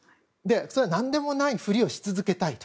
それは何でもない振りをし続けたいと。